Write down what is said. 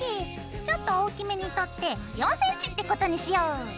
ちょっと大きめにとって４ｃｍってことにしよう。